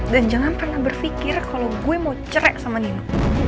dan jangan pernah berpikir kalo gue mau cerai sama nino